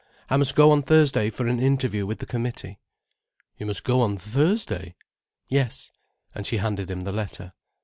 I must go on Thursday for an interview with the Committee." "You must go on Thursday?" "Yes." And she handed him the letter.